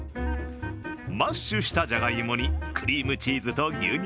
マッシュしたじゃがいもにクリームチーズと牛乳